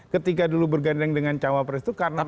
ketika dulu bergandeng dengan cawapres itu karena